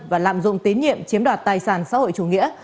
và lạm dụng tín nhiệm chiếm đoạt tài sản xã hội chủ nghĩa